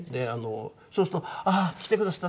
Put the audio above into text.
そうすると「来てくださったの？